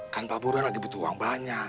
kan pak buruan lagi butuh uang banyak